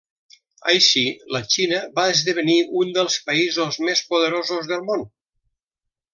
Així, la Xina va esdevenir un dels països més poderosos del món.